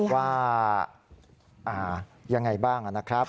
ว่ายังไงบ้างนะครับ